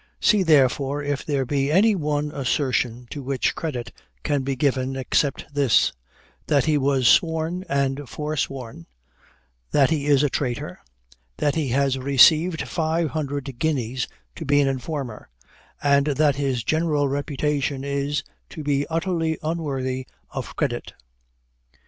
See therefore, if there be any one assertion to which credit can be given, except this that he has sworn and forsworn that he is a traitor that he has received five hundred guineas to be an informer, and that his general reputation is, to be utterly unworthy of credit."